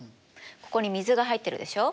ここに水が入ってるでしょう？